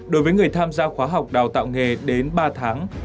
đối với người tham gia khóa học đào tạo nghề đến ba tháng